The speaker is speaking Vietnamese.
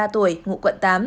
ba mươi ba tuổi ngụ quận tám